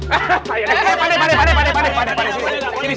eh pak d pak d pak d